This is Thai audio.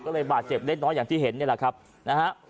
ก็เลยบาดเจ็บเล็กน้อยอย่างที่เห็นนี่แหละครับนะฮะ